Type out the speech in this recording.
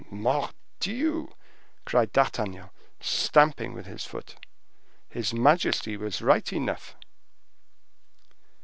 "Mordioux!" cried D'Artagnan, stamping with his foot. "His majesty was right enough."